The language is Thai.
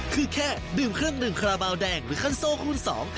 คือแค่ดื่มเครื่องดื่มคาราบาลแดงหรือคันโซ่รุ่นสอง